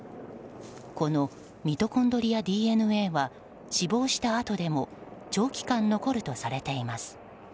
このミトコンドリアＤＮＡは死亡したあとでも長期間、残るとされています。